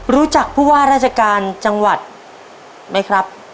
รู้จักผู้ว่าราชการจังหวัดไหมครับ